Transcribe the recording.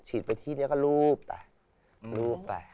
ฉีดไปที่เนี่ยก็ลูบไป